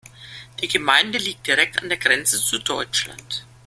Die Gemeinde liegt direkt an der Grenze zu Deutschland.